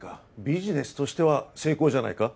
ビジネスとしては成功じゃないか？